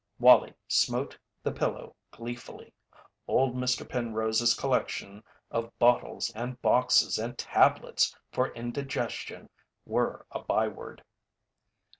Wallie smote the pillow gleefully old Mr. Penrose's collection of bottles and boxes and tablets for indigestion were a byword.